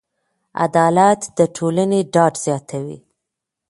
عدالت د ټولنې ډاډ زیاتوي.